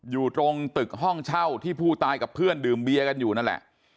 อยู่ตรงตึกห้องเช่าที่ผู้ตายกับเพื่อนดื่มเบียกันอยู่นั่นแหละ